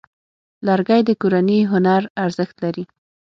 لرګی د کورني هنر ارزښت لري.